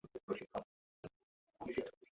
আমাকে বেশি মিস করো না ঠিকাছে?